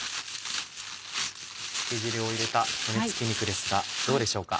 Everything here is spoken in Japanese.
漬け汁を入れた骨つき肉ですがどうでしょうか。